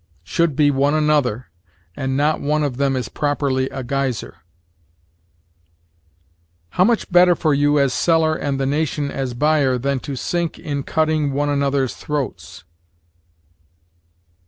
Should be one another, and not one of them is properly a geyser. "How much better for you as seller and the nation as buyer ... than to sink ... in cutting one another's throats."